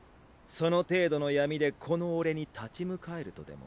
その程度の闇でこの俺に立ち向かえるとでも？